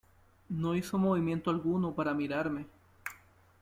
No hizo movimiento alguno para mirarme.